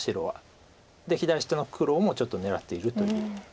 で左下の黒もちょっと狙っているという。